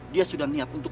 dia sudah niat untuk